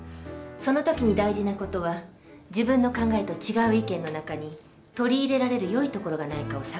その時に大事な事は自分の考えと違う意見の中に取り入れられる良いところがないかを探す事。